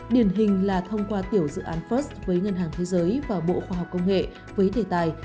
điển hình là thông qua tiểu dự án first với ngân hàng thế giới và bộ khoa học công nghệ với đề tài